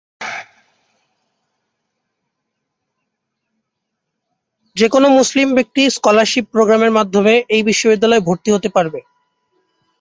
যে কোন মুসলিম ব্যক্তি স্কলারশিপ প্রোগ্রামের মাধ্যমে এই বিশ্ববিদ্যালয়ে ভর্তি হতে পারবে।